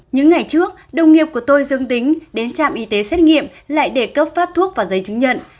những ngày trước đồng nghiệp của tôi dương tính đến trạm y tế xét nghiệm lại để cấp phát thuốc và giấy chứng nhận